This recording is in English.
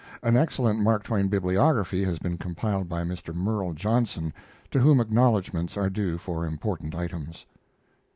An excellent Mark Twain bibliography has been compiled by Mr. Merle Johnson, to whom acknowledgments are due for important items.